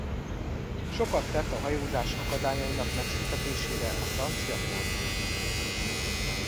Sokat tett a hajózás akadályainak megszüntetésére a francia kormány.